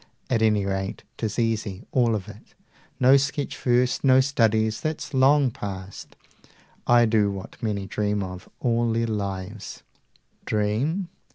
At any rate 'tis easy, all of it! No sketches first, no studies, that's long past: I do what many dream of, all their lives, Dream?